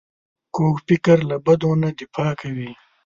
کوږ فکر له بدو نه دفاع کوي